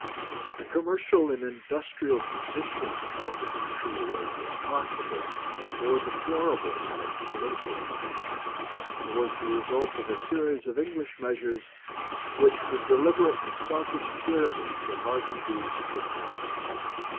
"The commercial and industrial condition of the country was, if possible, more deplorable than its political condition, and was the result of a series of English measures which for deliberate and selfish tyranny could hardly be surpassed.